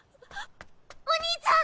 お兄ちゃん！